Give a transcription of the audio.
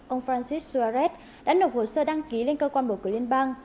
ông francis swaret đã nộp hồ sơ đăng ký lên cơ quan bầu cử liên bang